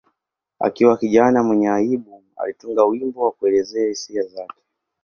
Akiwa kijana mwenye aibu, alitunga wimbo wa kuelezea hisia zake.